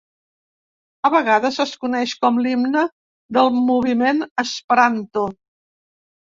A vegades es coneix com l"himne del moviment esperanto.